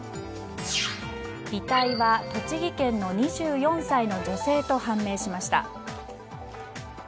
遺体は栃木県の２４歳の女性と判明しました。